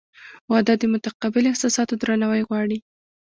• واده د متقابل احساساتو درناوی غواړي.